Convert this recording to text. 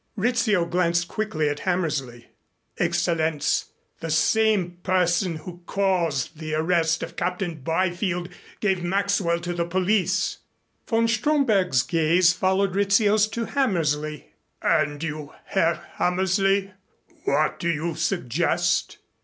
Rizzio glanced quickly at Hammersley. "Excellenz, the same person who caused the arrest of Captain Byfield gave Maxwell to the police." Von Stromberg's gaze followed Rizzio's to Hammersley. "And you, Herr Hammersley. What do you suggest?"